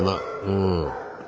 うん。